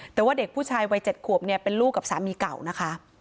แต่ว่าเด็กผู้ชายวัย๗ขวบเนี่ยเป็นลูกกับสามีเก่านะคะ